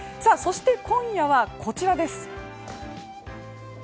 そして今夜はこちらです。